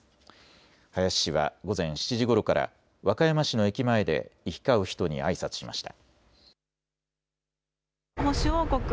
林氏は午前７時ごろから和歌山市の駅前で行き交う人にあいさつしました。